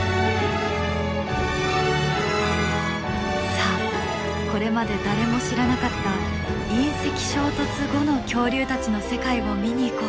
さあこれまで誰も知らなかった隕石衝突後の恐竜たちの世界を見に行こう。